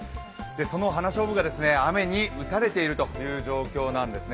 その花菖蒲が雨に打たれているという状況なんですね。